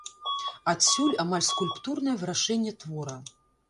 Адсюль амаль скульптурнае вырашэнне твора.